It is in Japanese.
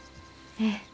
ええ。